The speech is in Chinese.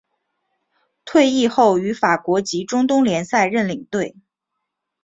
退役后于法国及中东联赛任领队。